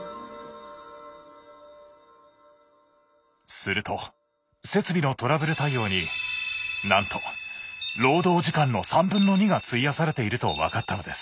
すると設備のトラブル対応になんと労働時間の2/3が費やされていると分かったのです。